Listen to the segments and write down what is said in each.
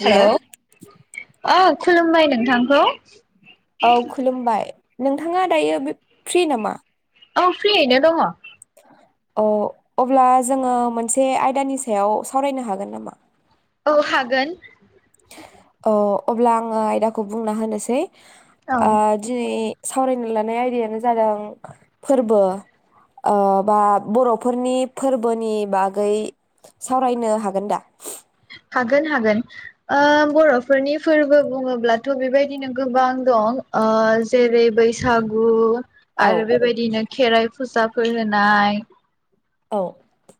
Hello. ओ खुलुमबाय नोंथांखौ। औ खुलुमबाय। नोंथाङा दायो बे फ्रि नामा? औ फ्रियैनो दङ। अ अब्ला जोङो मोनसे आयदानि सायाव सावरायनो हागोन नामा? ओ हागोन अ अब्ला आङो आयदाखौ बुंना होनोसै औ आ दिनै सावरायनो लानाय आयदायानो जादों फोरबो ओ बा बर'फोरनि फोरबोनि बागै सावरायनो हागोन दा? हागोन हागोन ओ बर'फोरनि फोरबो बुङोब्लाथ' बेबायदिनो गोबां दं ओ जेरै बैसागु औ आरो बेबायदिनो खेराइ फुजाफोर होनाय औ।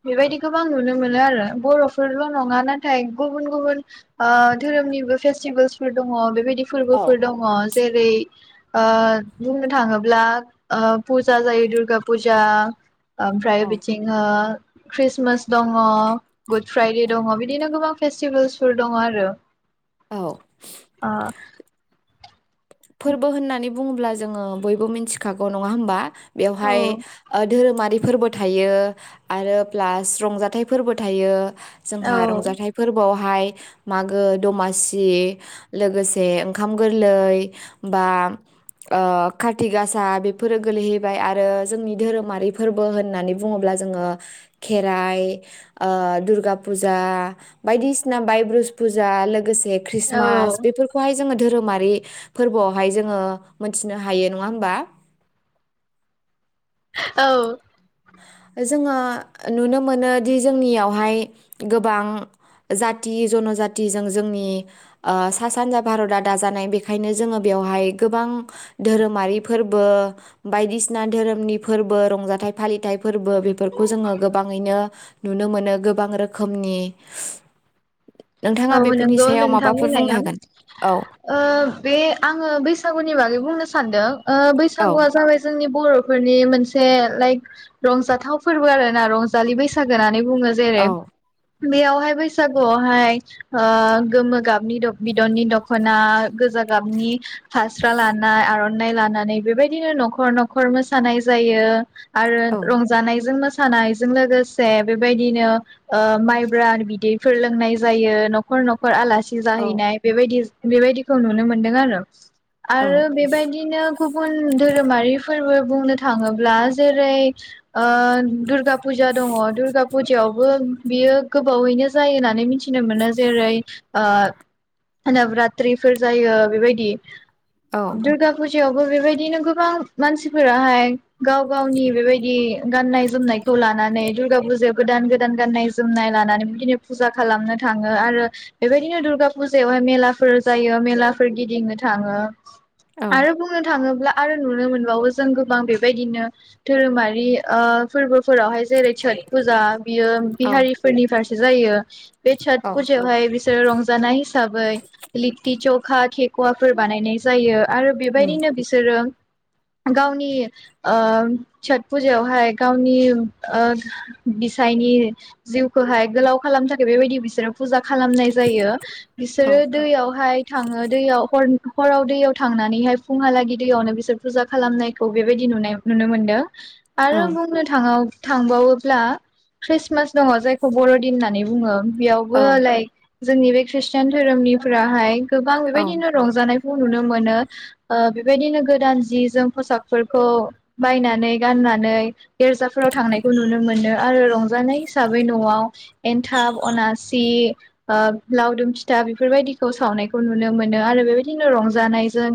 बेबायदि गोबां नुनो मोनो आरो बर'फोरल नङा नाथ थाय गुबुन गुबुन ओ धोरोमनिबो फेस सिमबोलस फोर दङ बेबाय दि औ फोरबोफोर औ दङ जेरै ओ बुंनो थाङोब्ला ओ फुजा जायो दुर्गा फुजा ओमफ्राय बिथिं ओ ख्रिस्टमास दङ गुड फ्राइदे दङबि बिदिनो गोबां फेस्टिभेल्सफोर दङ आरो। औ आ फोरबो होननानै बुङोब्ला जोङो बयबो मिन्थिखागौ नङा होमबा? बेवहाय ओद धोरोमारि फोरबो थायो आरो प्लास रंजाथाइफोरबो थायो। औ जोंहा रंजाथाइ फोरबोआव फाय मागो दमासि लोगोसे ओंखाम गोरलै। बा ओ कारति गासा बेफोरो गोलैहैबाय आरो जोंनि धोरोमारि फोरबो होननानै बुङोब्ला जोङो खेराइ ओ दुर्गा फुजा बायदिसिना बायब्रुस फुजा लोगोसे बे औ ख्रिस्टमास बेफोरखौहाय जोङो धोरोमारि फोरबोआवहाय जोङो मोनथिनो हायो नङा होमबा? औ। जोङो नुनो मोनो दि जोंनियावहाय गोबां जाति जनजातिजों जोंनि ओ सा-सानजा भारदा दाजानाय बेखायनो जोङो बेवहाय गोबां धोरोमारि फोरबो बायदिसिना धोरोमनि फोरबो रंजाथाइ फालिथाय फोरबो बेफोरखौ जोङो गोबाङैनो नुनो मोनो गोबां रोखोमनि। नोंथाङा औ बेफोरनि नंगौ सायाव नोंथां माबाफोर बुंनो होननाया हागोन औ ओ बे आङो बैसागुनि बागै बुंनो सै सान्दों ओ औ बैसागुआ जाबाय जोंनि बरफोरनि मोनसे लाइक रंजाथाव फोरबो आरोना रंजालि बैसागो नानै बुङो जैेरे औ बेयावहाय बैसागु आवहाय ओ गोमो गाबनि द बिदननि दखना, गोजा गाबनि फास्रा लानाय आरनाय लानानै बेबायदिनो नखर नखर मोसानाय जायो। आरो औ रंजानायजों मो सानायजों लोगोसे बेबायदिनो ओ माइब्रा बिदैफोर लोंनाय जायो नखर नखर आलासि सि औ जाहैनाय बेबायदि बेबायदिखौ नुनो मोनदों आरो औ आरो बेबायदिनो गुबुन धोरोमारि फोरबो बुंनो थाङोब्ला जेरै ओ दुर्गा फुजा दङ दुर्गा फुजायावबो बियो गोबावैनो जायो होननानै मिथि नो मोनो जेरै ओ नोवरात्रिफोर जायो बेबायदि औ दुर्गा फुजा यावबो बेबायदिनो गोबां मानसिफोराहाय गाव गावनि बेबायदि गाननाय जोमनायखौ लानानै नानै दुर्गा फुजायाव गोदान गोदान गाननाय जोमनाय लानानै फैनो फुजा खालामनो थाङो आरो बेबायदिनो दुर्गा फुजायावहाय मेलाफोर जायो मेलाफोर गिदिंनो थाङो औ आरो बुंनो थाङोब्ला आरो नुनो मोनबावो जों गोबां बेबायदिनो धोरोमारि ओ फोरबो फोरावहाय जेरै सोत फुजा बियो औ बिहारिफोरनि फारसे जायो बे औ सोथ फुजायावहाय बिसोर रं जानाय साबै लिटि चख अखा थेखवाफोर बानायनाय जायो आरो उम बेबायदिनो बिसोरो गावनि ओ सोत फुजायावहाय गावनि ओ बिसायनि जिउखौहाय गोलाव खालामनो थाखा बेबायदि बिसोर फुजा खालामनाय जायो औ बिसोरो दैयावहाय थाङो दैयाव हर हराव दैयाव थांनानैहाय फुंहालागि दैयावनो बिसोर फुजा खालामनायखौ बेबायदि नुनाय नुनो मोन्दों औ आरो बुंनो थाङो थांबावोब्ला ख्रिसमास दङ जायखौ बरदिन होननानै बुङो। औ बेयावबो लाइक जोंनि बे खृष्टान धोरोमनिफ्राहाय गोबां औ बेबायदिनो रंजानाय खौ नुनो मोनो ओ बेबायदिनो गोदान जि जोम फसाकफोरखौ बायनानै गाननानै गिर्जाफोराव थांनायखौ नुनो मोनो। आरो रं जानाय हिसाबै नआव एन्थाब अनासि ओ लावदुम फिथा बेफोरबायदिखौ सावनायखौ नुनो मोनो आरो बेबायदिनो रंजानायजों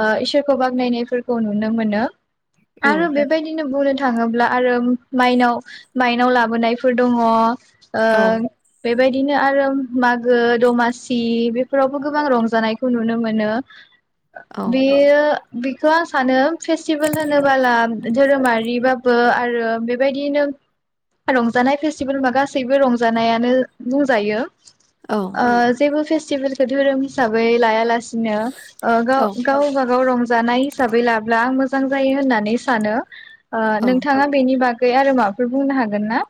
बा इसोरखौ बाखनायनायफोरखौ नुनो मोनो। आरो उम बेबायदिनो बुंनो थाङोब्ला आरो माइनाव माइनाव लाबोनायफोर दङ। औ ओ बे बायदिनो आरो मागो दमासि बेफोरावबो गोबां रंजानायखौ नुनो मोनो। बेयो बेखौ आं सानो फेस्टिभेल होनोबाला धोरोमारि बा बो आरो बेबायदिनो रंजानाय फेस्टिभेल बा गास सैबो रंजानायानो बुंजायो। औ ओ जेबो फेस स्टिभेलखौ धोरोम हिसाबै लाया लासे नो ओ औ गाव गावबागाव रंजानाय हिसाबै लाब्ला मोज मोजां जायो होननानै सानो। ओ औ नोंथाङा बेनि बा गै आरो माबाफोर बुंनो हागोन ना?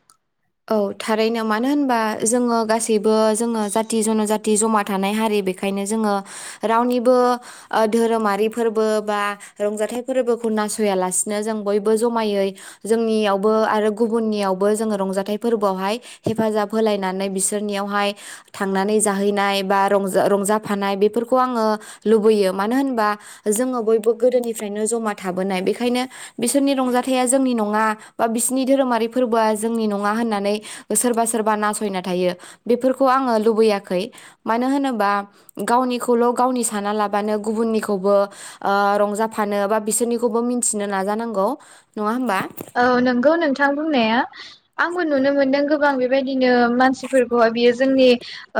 औ थारैनो मानो होनबा जोङो गासैबो जोङो जाथि जनजाथि जमा थानाय हारि बेखायनो जोङो रावनिबो ओ धोरोमारि फोरबो बा रंजाथाइ फोरबोखौ नासयालासिनो जों बयबो जमायै जोंनियावबो आरो गुबुननियावबो जोङो रंजाथाइ फोरबोआवहाय हेफाजाब होलायनानै बिसोरनियावहाय थांनानै जाहैनाय बा रंजा रंजाफानाय बेफोरखौ आङो लुबैयो मानो होनबा जोङो बयबो गोदोनिफ्रायनो जमा थाबोनाय बेखायनो बिसोरनि रंजाथाइया जोंनि नङा बा बिसोरनि धोरोमारि फोरबोआ जोंनि नं ङा होननानै सोरबा सोरबा नासयना थायो बेफोरखौ आङो लुबैयाखै मानो होनोबा गावनिखौल गावनि साना लाबानो गुबुननिखौबो आ रंजाफानो बा बिसोरनिखौबो मिन्थिनो नाजानांगौ नङा होमबा? औ नंगौ नोंथां बुंनाया आंबो नुनो मोनदों गोबां बेबायदिनो मानसिफोरखौहाय बियो जोंनि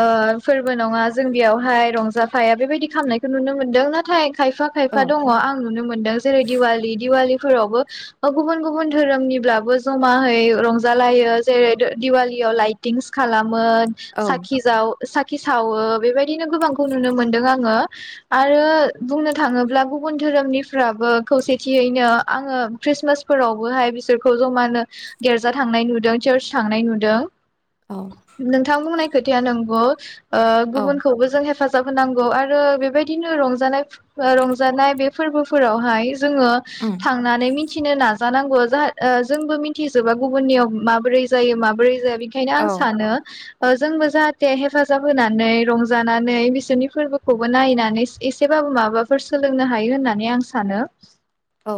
ओ फोरबो नङा जों बेयावहाय रंजाफाया बेबायदि खालामनायखौ नुनो मोनदों नाथाय खायफा औ खायफा दङ आं नुनो मोनदों जेरै दिवालि दिवालि फोरावबो गुबुन गुबुन धोरोमनिब्लाबो जमायै रंजालायो जेरै दो दिवालियाव लाइटिंस खालाम मो औ साखि जाव साखि सावो बेबाय दिनो गोबांखौ नुनो मोनदों आङो। आरो बुंनो थाङोब्ला गुबुन धोरोमनिफ्राबो खौसेथियैनो आङो खृस्टमास फोरावबोहाय बिसोरखौ जमानो गेर्जा थांनाय नुदों चार्च थांनाय नुदों औ नोंथां बुंनाय खोथाया नंगौ ओ औ गुबुनखौबो जों हेफाजाब जाफाब होनांगौ आरो बेबायदिनो रंजानाय रंजानाय बे फोरर्बोफोरावहाय जोङो उम थांनानै मिथिनो नाजा जानांगौ जा ओ जोंबो मिथिजोबा गुबुननियाव माबोरै जायो माबोरै जाय बेखायनो आं औ सानो ओ जोंबो जाहाथे हेफाजाब होनानै रंजानानै बिसोरनि फोर्बोखौबो नायनानै एसेबाबो माबाफोर सोलोंनो हायो होननानै आं सानो औ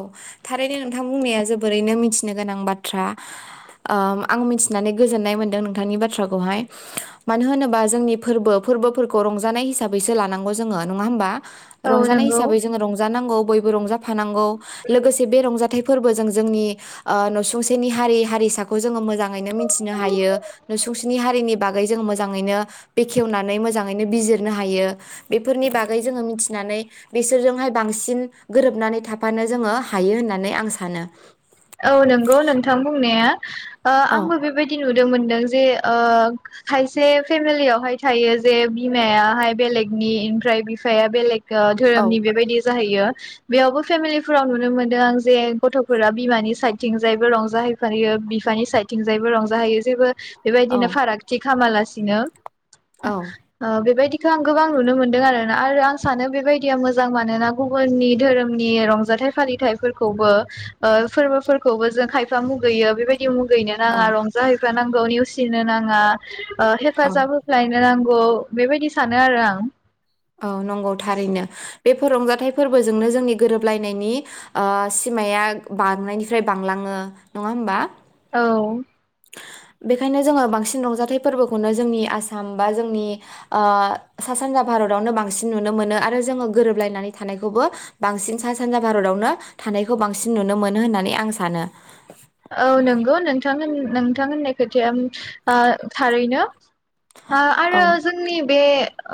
थारैनो नोंथां बुंनाया जोबोरैनो मिथिनो गोनां बाथ्रा ओ आं मिथिनानै गोजोननाय मोनदों नोंथांनि बाथ्राखौहाय मानो होनोबा जोंनि फोर्बो फोर्बोफोरखौ रंजानाय हिसाबैसो लानांगौ जोङो नङा होमबा? औ रंजानाय नंगौ हिसाबै जोङो रंजानांगौ बयबो रंजाफानांगौ लोगोसे बे रंजाथाइ फोरबोजों जोंनि ओ नसुंसेनि हारि हारिसाखौ जोङो मोजां नो मिनथिनो हायो नसुंसेनि हारिनि बागै जोङो मोजाङैनो बेखेवनानै मोजाङैनो बिजिरनो हायो बेफोरनि बागै जोङो मिथिनानै बिसोरजोंहाय बांसिन गोरोबनानै था फानो जोङो हायो होननानै आं सानो औ नंगौ नोंथां बुंनाया ओ औ आंबो बेबायदि नु नो मोनदों जे ओ खायसे फेमिलियावहाय थायो जे बिमायाहाय बेलेगनि ओमफ्राय बिफाया बेलेग ओ औ धोरोमनि बेबायदि जाहैयो बेयावबो फेमिलिफोराव नुनो मोनदों आं जे गथफोरा बिमानि साइदथिं जायबो रंजाहैफयो बिफानि साइदथिं जायबो रंजाहैयो जेबो बेबायदिनो औ फाराग थि खामालासिनो औ ओ बेबायदि बेखौ आं गोबां नुनो मोनदों आरोना आरो आं सानो बेबायदिया मोजां मानोना गुबुननि धोरोमनि रंजाथाइ फालिथायाइफोरखौबो ओ फोर्बोफोरखौबो जों खायफा मुगैयो बेबायदि बिदि मुगैनो औ नाङा रंजाहैफा नां औ नेवसिनो नाङा ओ औ हेफाजाब होफ्लायनो नां औ बेबायदि सानो आरो आं औ नंगौ थारैनो बेफोर रंजाथाइ फोर्बोजोंनो जोंनि गोरोबलायनायनि ओ सिमाया बांनायनिफ्राय बांलाङो नङा होमबा? औ बेखायनो जोङो बांसिन रंजाथाइ फोर्बोखौनो जोंनि आसाम बा जोंनि ओ सा सानजा भारतावनो बांसिन नुनो मोनो आरो जोङो गोरोबलायनानै थानायखौबो बांसिन सा सानजा भारतावनो थानायखौ बांसिन नुनो मोनो होननानै आं सानो औ नंगौ नोंथां होन नोंथां होननाय खोथाया ओ थारैनो आह औ आरो जोंनि बे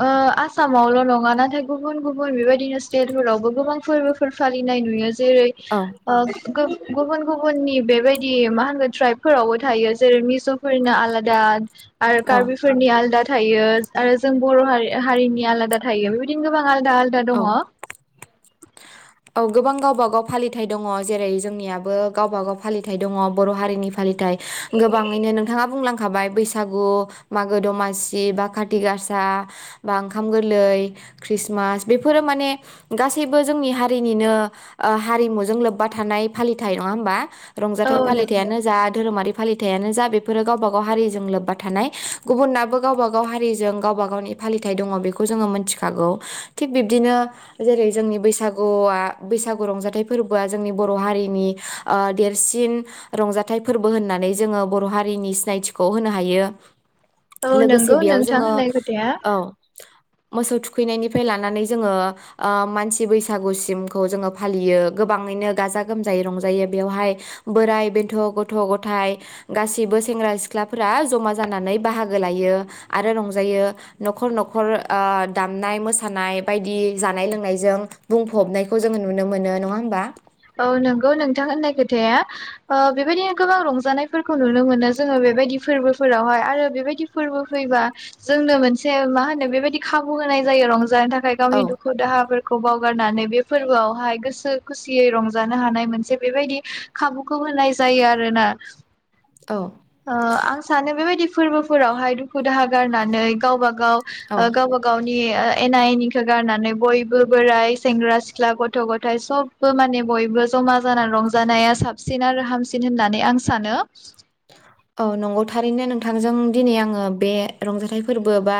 ओ आसामावल नङा नाथाय गुबुन गुबुन बेबायदिनो स्टेटफोरावबो गोबां फोरबोफोर फालिनाय नुयो जेरै औ ओ गोब गुबुन गुबुननि बेबायदि मा होनगोन ट्राइबफोरावबो थायो जेरै मिज'फोरना आलादा आरो औ कार्बिफोरनिया आलदा थायो आरो जों बर' हारि हारिनि आलादा थायो बेबायदिनो गोबां आलदा आलदा औ दङ औ गोबां गावबागाव फालिथाय दङ जेरै जोंनियाबो गावबागाव फालिथाइ दङ बर' हारिनि फालिथाय गोबाङैनो नोंथाङा बुंलां खाबाय बैसागु, मागो दमासि, बा काति गासा, बा ओंखाम गोरलै, ख्रिस्टमास बेफोरो माने गासैबो जोंनि हारिनिनो ओ हारिमुजों लोब्बा थानाय फालिथाय नङा होमबा। औ रंजाथाय नंगौ फालिथायानो जा धोरोमारि फोर फालिथायानो जा बेफोरो गावबा गाव हारिजों लोब्बा थानाय गुबुननाबो गावबा गाव हारिजों गावबा गावनि फालिथाय दङ बेखौ जोङो मोन्थिखागौ। थिग बिब्दिनो जेरै जोंनि बैसागुआ बैसागु रंजाथाय फोर्बोआ जोंनि बर' हारिनि ओ देरसिन रंजाथाय फोर्बो होन्नानै जोङो बर' हारिनि सिनायथिखौ होनो हायो। औ लोगोसे नोंगौ बेयाव नोंथां जोङो होन्नाय खोथाया। औ मोसौ थुखैनायनि लानानै जोङो ओ मानसि बैसागुसिमखौ जोङो फालियो गोबाङैनो गाजा गोमजायै रंजायो बेवहाय बोराइ बेन्थ', गथ' गथाय गासिबो सेंग्रा सिख्लाफोरा जमा जानानै बाहागो लायो आरो रंजायो नखर नखर ओ दामनाय मो मोसानाय बायदि जानाय लोंनायजों बुंफबनायखौ जोङो नुनो मोनो। नङा होमबा? औ नंगौ नोंथां होन्नाय खोथाया ओ बेबायदिनो गोबां रंजानायफोरखौ नुनो मोनो जोङो बेबायदि फोर्बोफोरावहाय आरो बेबायदि फोर्बो फैबा जोंनो मोनसे मा होनो बेबायदि खाबु होनाय जायो रंजा जानो थाखाय औ गावनि दुखु दाहाफोरखौ खौ बावगारनानै बे फोर्बोआवहाय गोसो खुसि खुसियै रंजानो हानाय मोनसे बेबायदि खाबुखौ होनाय जायो आरोना। औ ओ आं सानो बेबायदि फोर्बोफोरावहाय दुखु दाहा गारनानै गावबा गाव औ गाव गावबा गावनि ओ एना एनिखौ गारनानै बयबो बोराय, सेंग्रा सिख्ला, गथ' गथाय सब बो माने बयबो जमा जानानै रंजानाया साबसिन आरो हामसिन होन्नानै आं सानो। औ नंगौ थारैनो नोंथांजों दिनै आङो बे रंजाथाय फोर्बो बा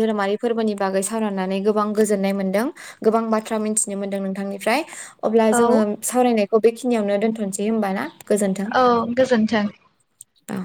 धोरोमारि फोर्बोनि बागै सावरायनानै गोबां गोजोन्नाय मोन्दों गोबां बाथ्रा मिन्थिनो मोन्दों नोंथांनिफ्राय अब्ला औ जोङो सावरायनाय खौ बेखिनियावनो दोन्थ'नसै होमबा ना? गोजोन्थों औ गोजोन्थों। औ।